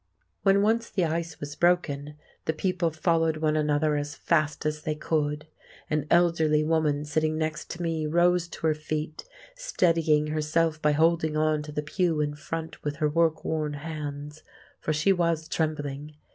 When once the ice was broken, the people followed one another as fast as they could. An elderly woman sitting next to me rose to her feet, steadying herself by holding on to the pew in front with her work worn hands, for she was trembling.